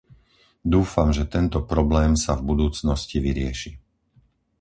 Dúfam, že tento problém sa v budúcnosti vyrieši.